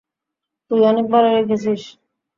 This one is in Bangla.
তুই অনেক ভালো খেলছিস।